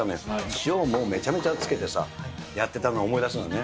塩もめちゃめちゃつけてさ、やってたのを思い出すよね。